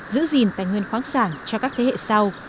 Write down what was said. giữ gìn tài nguyên khoáng sản cho các thế hệ sau